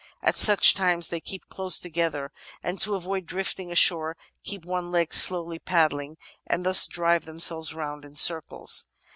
At such times they keep close together, and to avoid drifting ashore keep one leg slowly pad dling, and thus drive themselves round in circles."